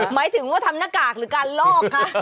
หมายถึงว่าทำหน้ากากหรือการลอกคะ